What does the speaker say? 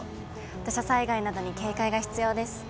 土砂災害などに警戒が必要です。